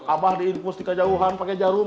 abah diinfus di kejauhan pakai jarum